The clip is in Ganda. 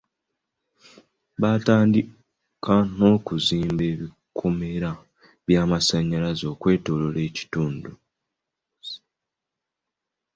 Baatandika na kuzimba bikomera eby'amasannyalaze okwetoloola ekitundu.